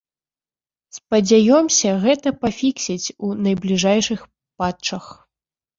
Спадзяёмся, гэта пафіксяць у найбліжэйшых патчах!